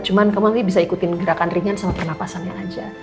cuma kamu bisa ikutin gerakan ringan sama pernapasannya aja